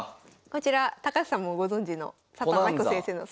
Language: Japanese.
こちら高橋さんもご存じの佐藤天彦先生の。